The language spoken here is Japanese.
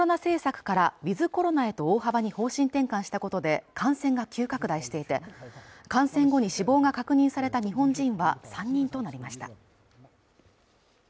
中国では先月ゼロコロナ政策からウィズ・コロナへと大幅に方針転換したことで感染が急拡大していて感染後に死亡が確認された日本人は３人となりました